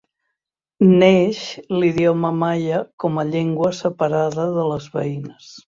Neix l'idioma maia com a llengua separada de les veïnes.